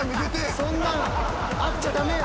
そんなんあっちゃ駄目や！